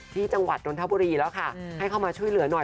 จังหวัดนทบุรีแล้วค่ะให้เข้ามาช่วยเหลือหน่อย